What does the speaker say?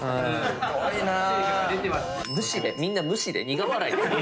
みんな無視で苦笑いだよ。